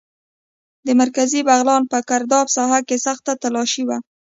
د مرکزي بغلان په ګرداب ساحه کې سخته تالاشي وه.